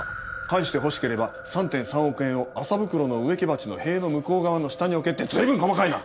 「返して欲しければ３．３億円を麻袋の植木鉢の塀の向こう側の下に置け」って随分細かいな！